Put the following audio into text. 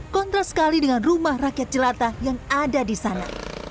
kontra sekali dengan rumah rakyat jelata yang ada di sana